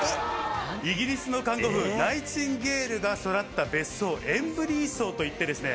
イギリスの看護師ナイチンゲールが育った別荘エンブリー荘といってですね